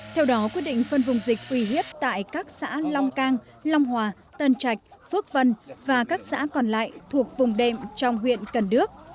theo đó quyết định phân vùng dịch uy hiếp tại các xã long cang long hòa tân trạch phước vân và các xã còn lại thuộc vùng đệm trong huyện cần đước